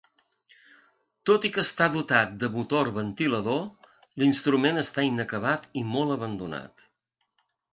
Tot i que està dotat de motor ventilador, l’instrument està inacabat i molt abandonat.